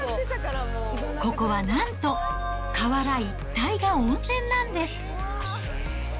ここはなんと、河原一帯が温泉なんです。